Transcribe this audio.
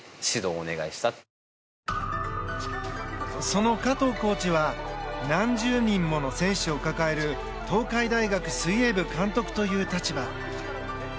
その加藤コーチは何十人もの選手を抱える東海大学水泳部監督という立場。